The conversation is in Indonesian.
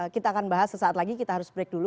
kita akan bahas sesaat lagi kita harus break dulu